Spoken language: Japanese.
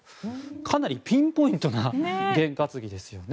かなりピンポイントな験担ぎですよね。